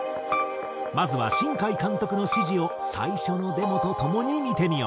まずは新海監督の指示を最初のデモとともに見てみよう。